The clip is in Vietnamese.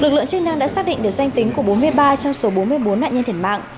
lực lượng chức năng đã xác định được danh tính của bốn mươi ba trong số bốn mươi bốn nạn nhân thiệt mạng